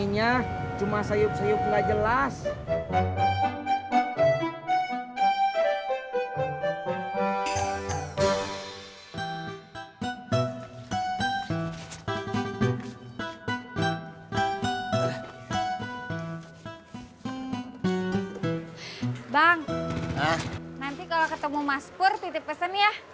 nanti kalau ketemu mas pur titip pesan ya